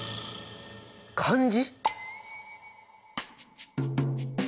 漢字！？